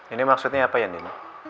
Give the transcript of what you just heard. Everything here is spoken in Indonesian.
ini maksudnya apa ya nih